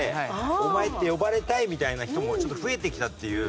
「お前」って呼ばれたいみたいな人もちょっと増えてきたっていう。